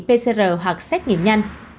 pcr hoặc xét nghiệm nhanh